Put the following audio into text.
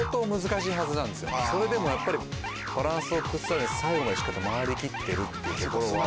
それでもやっぱりバランスを崩さないで最後まで回りきってるっていうところは。